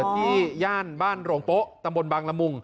ที่ย่านบ้านโรงโป๊ะตำบลบางละมุง